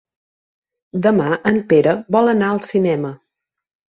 Demà en Pere vol anar al cinema.